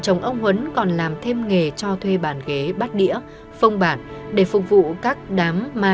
chồng ông huấn còn làm thêm nghề cho thuê bàn ghế bát đĩa phông bản để phục vụ các đám ma